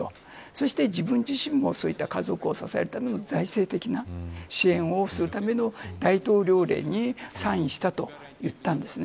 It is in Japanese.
そして自分自身もそういった家族を支えるための財政的な支援をするための大統領令にサインしたと言ったんです。